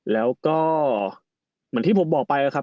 แล้วก็เหมือนที่ผมบอกไปครับ